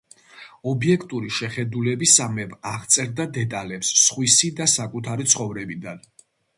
ობიექტური შეხედულებისამებრ აღწერდა დეტალებს სხვისი და საკუთარი ცხოვრებიდან.